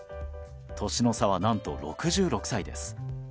年の差は何と６６歳です。